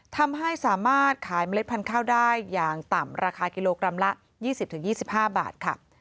ทำให้สามารถขายเมล็ดพันธุ์ข้าวได้อย่างต่ำราคากิโลกรัมละ๒๐๒๕บาทค่ะ